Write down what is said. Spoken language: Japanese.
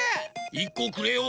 １こくれよ。